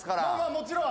もちろん。